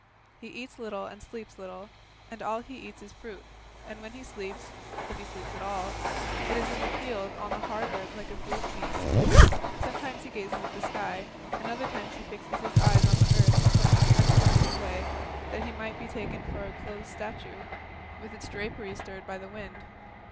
He eats little and sleeps little, and all he eats is fruit, and when he sleeps, if he sleeps at all, it is in the field on the hard earth like a brute beast. Sometimes he gazes at the sky, at other times he fixes his eyes on the earth in such an abstracted way that he might be taken for a clothed statue, with its drapery stirred by the wind.